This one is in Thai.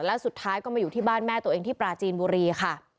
แล้วสุดท้ายก็มาอยู่ที่บ้านแม่ตัวเองที่ปราจีนบุรีค่ะ